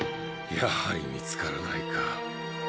やはりみつからないか。